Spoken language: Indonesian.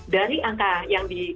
dari angka yang di